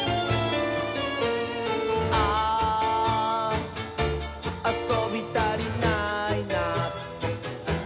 「あーあそびたりないな」